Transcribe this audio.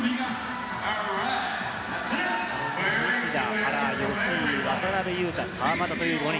西田、原、吉井、渡邊雄太、川真田という５人。